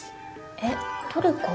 えっトルコ？